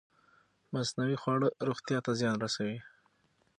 مصنوعي خواړه روغتیا ته زیان رسوي.